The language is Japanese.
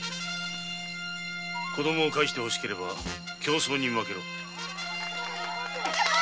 「子供を返して欲しければ競走に負けろ」！？